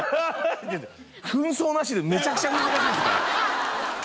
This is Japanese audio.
違う扮装なしでめちゃくちゃ難しいんですから。